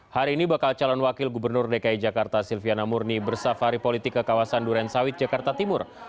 hari ini bakal calon wakil gubernur dki jakarta silviana murni bersafari politik ke kawasan duren sawit jakarta timur